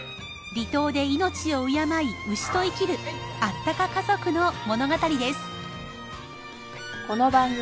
離島で命を敬い牛と生きるあったか家族の物語です。